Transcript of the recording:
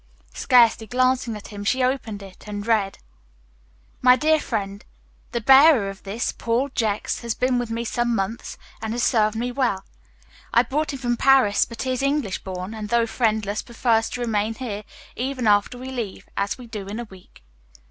Scarcely glancing at him, she opened it and read: My Dear Friend, _The bearer of this, Paul Jex, has been with me some months and has served me well. I brought him from Paris, but he is English born, and, though friendless, prefers to remain here, even after we leave, as we do in a week.